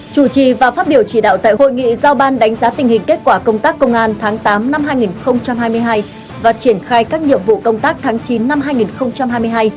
chủ trì và phát biểu chỉ đạo tại hội nghị giao ban đánh giá tình hình kết quả công tác công an tháng tám năm hai nghìn hai mươi hai và triển khai các nhiệm vụ công tác tháng chín năm hai nghìn hai mươi hai